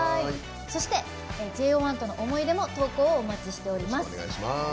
そして、ＪＯ１との思い出も投稿をお待ちしております。